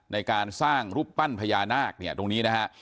ในการสร้างรูปปั้นพญานาคเนี่ยตรงนี้นะฮะ